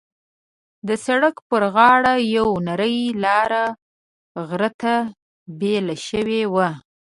د سړک پر غاړه یوه نرۍ لاره غره ته بېله شوې وه.